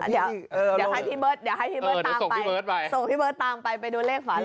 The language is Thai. เดี๋ยวให้พี่เบิร์ตตามไปส่งพี่เบิร์ตตามไปไปดูเลขฝาลง